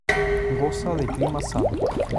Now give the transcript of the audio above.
Goza de clima sano.